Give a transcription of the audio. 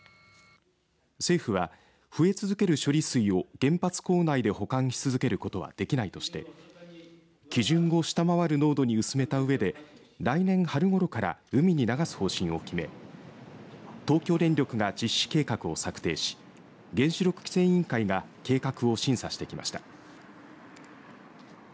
政府は、増え続ける処理水を原発構内で保管し続けることはできないとして基準を下回る濃度に薄めたうえで来年春ごろから海に流す方針を決め東京電力が実施計画を策定し原子力規制委員会が計画を審査してきました。